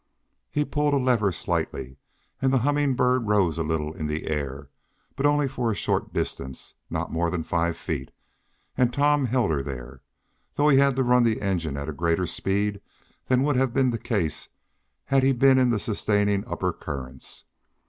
He pulled a lever slightly, and the Humming Bird rose a little in the air, but only for a short distance, not more than five feet, and Tom held her there, though he had to run the engine at a greater speed than would have been the case had he been in the sustaining upper currents.